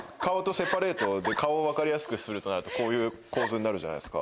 顔を分かりやすくするとなるとこういう構図になるじゃないですか。